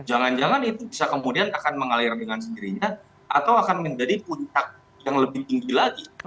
jangan jangan itu bisa kemudian akan mengalir dengan sendirinya atau akan menjadi puncak yang lebih tinggi lagi